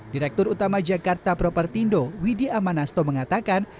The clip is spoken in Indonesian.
direktur utama jakarta propertindo widhi amanasto mengatakan